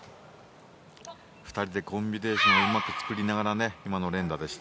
２人でコンビネーションをうまく作りながら今の連打でした。